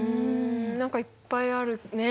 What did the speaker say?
何かいっぱいあるね。